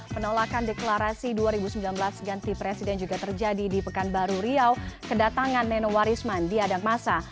penolakan deklarasi dua ribu sembilan belas ganti presiden juga terjadi di pekanbaru riau kedatangan nenowarisman di adang masa